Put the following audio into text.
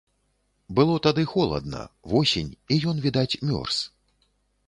Было тады холадна, восень, і ён, відаць, мёрз.